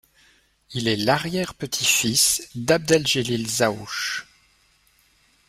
Il est l'arrière-petit-fils d'Abdeljelil Zaouche.